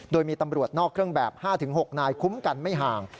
โดยมีตำรวจนอกเครื่องแบบ๕๖นายคุ้มกันไม่ห่าง